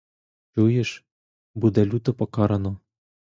Чуєш: буде люто покарано.